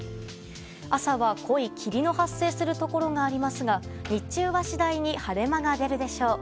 朝は、濃い霧の発生するところがありますが日中は次第に晴れ間が出るでしょう。